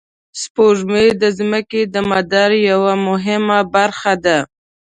سپوږمۍ د ځمکې د مدار یوه مهمه برخه ده